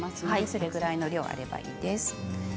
それぐらいの量があればいいです。